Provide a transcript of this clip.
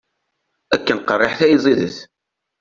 Akken qeṛṛiḥit ay ẓidit.